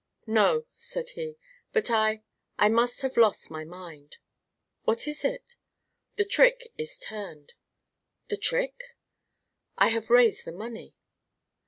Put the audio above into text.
"No," said he. "But I I must have lost my mind." "What is it?" "The trick is turned." "The trick!" "I have raised the money."